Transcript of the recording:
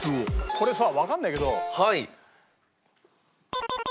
これさわかんないけど。